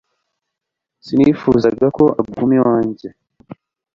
Sinifuzaga ko aguma iwanjye